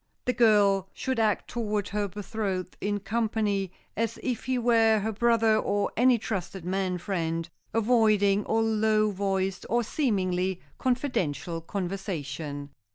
The girl should act toward her betrothed in company as if he were her brother or any trusted man friend, avoiding all low voiced or seemingly confidential conversation.